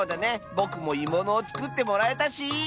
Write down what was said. ぼくもいものをつくってもらえたし！